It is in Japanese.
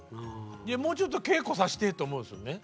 もうちょっと稽古さしてと思うんですよね。